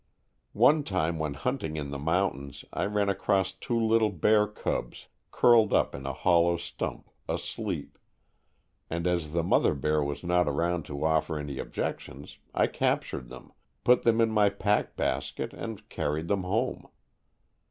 One time when hunting in the moun tains I ran across two little bear cubs 124 Stories from the Adirondacks. curled up in a hollow stump asleep, and as the mother bear was not around to offer any objections I captured them, put them in my pack basket and carried them home.